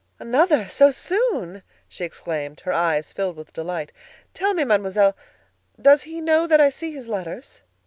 "Another! so soon!" she exclaimed, her eyes filled with delight. "Tell me, Mademoiselle, does he know that I see his letters?"